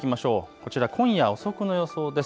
こちら今夜遅くの予想です。